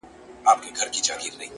ليري له بلا سومه؛ چي ستا سومه؛